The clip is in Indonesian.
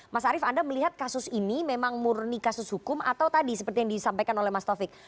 mas arief anda melihat kasus ini memang murni kasus hukum atau tadi seperti yang disampaikan oleh mas taufik